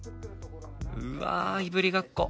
うわあいぶりがっこ！